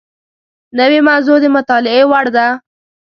نوې موضوع د مطالعې وړ ده